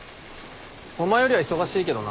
お前よりは忙しいけどな。